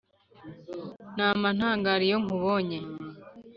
Nama ntangara Iyo nkubonye